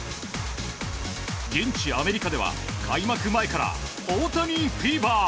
現地アメリカでは開幕前から大谷フィーバー。